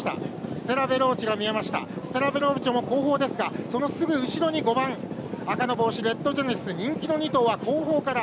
ステラヴェローチェも後方ですがそのすぐ後ろに５番、赤の帽子レッドジェネシス人気の２頭は後方から。